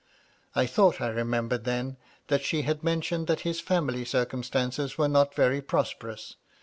I thought I remembered then, that she had mentioned that his family cu'cumstances were not very prosperous.